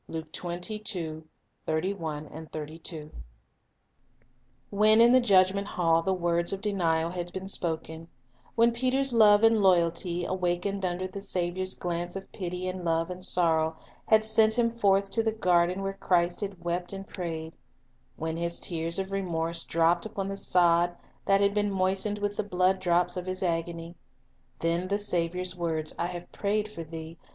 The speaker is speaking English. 3 When in the judgment hall the words of denial had been spoken; when Peter's love and loyalty, awakened under the Saviour's glance of pity and love and sorrow, had sent him forth to the garden where Christ had wept and prayed; when his tears of remorse dropped upon the sod that had been moistened with the blood drops of His agony, — then the Saviour's words, "I have prayed "when Thou Art for thee